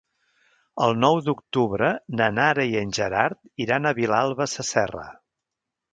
El nou d'octubre na Nara i en Gerard iran a Vilalba Sasserra.